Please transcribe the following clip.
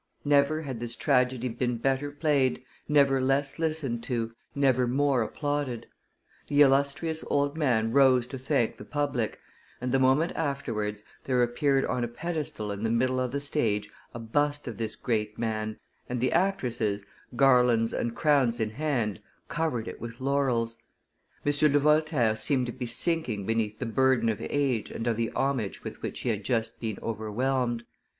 Never had this tragedy been better played, never less listened to, never more applauded. The illustrious old man rose to thank the public, and, the moment afterwards, there appeared on a pedestal in the middle of the stage a bust of this great man, and the actresses, garlands and crowns in hand, covered it with laurels; M. de Voltaire seemed to be sinking beneath the burden of age and of the homage with which he had just been overwhelmed.